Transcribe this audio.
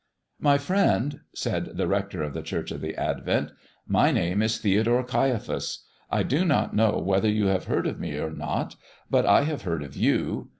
"My friend," said the rector of the Church of the Advent, "my name is Theodore Caiaphas. I do not know whether you have heard of me or not, but I have heard of you.